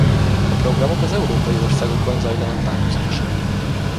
A programok az európai országokban zajlanak párhuzamosan.